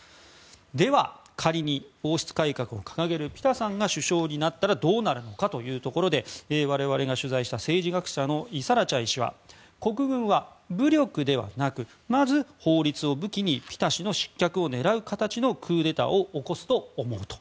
では、仮に王室改革を掲げるピタさんが首相になったらどうなるのかというところで我々が取材した政治学者のイサラチャイ氏は国軍は武力ではなくまず法律を武器にピタ氏の失脚を狙う形のクーデターを起こすと思うと。